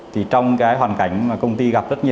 thì trong cái hoàn cảnh mà công ty gặp lại các bệnh viện